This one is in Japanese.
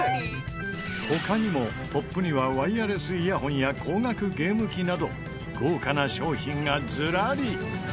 他にもポップにはワイヤレスイヤホンや高額ゲーム機など豪華な賞品がズラリ！